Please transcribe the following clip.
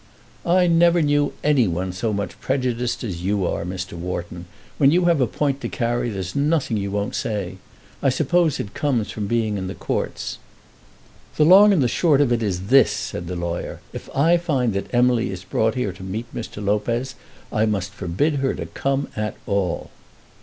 "I never knew any one so much prejudiced as you are, Mr. Wharton. When you have a point to carry there's nothing you won't say. I suppose it comes from being in the courts." "The long and the short of it is this," said the lawyer; "if I find that Emily is brought here to meet Mr. Lopez, I must forbid her to come at all."